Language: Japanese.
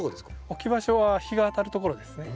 置き場所は日が当たるところですね。